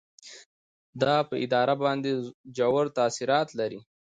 دا په اداره باندې ژور تاثیرات لري.